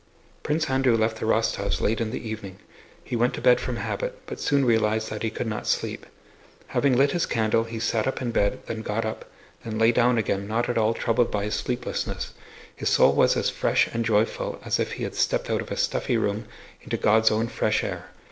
Prince Andrew left the Rostóvs' late in the evening. He went to bed from habit, but soon realized that he could not sleep. Having lit his candle he sat up in bed, then got up, then lay down again not at all troubled by his sleeplessness: his soul was as fresh and joyful as if he had stepped out of a stuffy room into God's own fresh air.